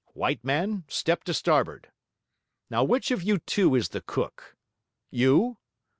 White Man, step to starboard. Now which of you two is the cook? You?